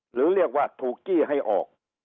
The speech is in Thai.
หรือเรียกว่าถูกจี้ให้ออก